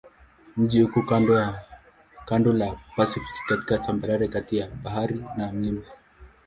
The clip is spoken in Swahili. Mji uko kando la Pasifiki katika tambarare kati ya bahari na milima.